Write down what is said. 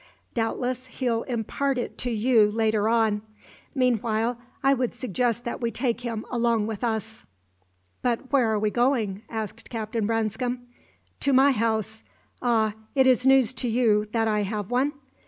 Doubtless he'll impart it to you later on. Meanwhile, I would suggest that we take him along with us." "But where are we going?" asked Captain Branscome. "To my house. Ah, it is news to you that I have one?